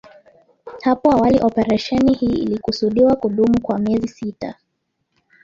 Hapo awali operesheni hii ilikusudiwa kudumu kwa miezi sita.